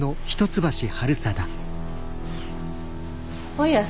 おや。